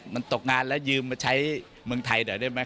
มันตกงานแล้วยืมมาใช้เมืองไทยหน่อยได้ไหม